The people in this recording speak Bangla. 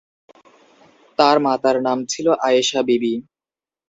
তার মাতার নাম ছিল আয়েশা বিবি।